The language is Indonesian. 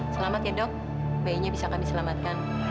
selamat ya dok bayinya bisa kami selamatkan